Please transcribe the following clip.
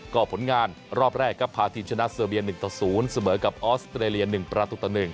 ก็ผลงานรอบแรกก็พาทีมชนะเสิร์ฟเบียน๑๐เสมอกับออสเตรเลีย๑ประตูตะ๑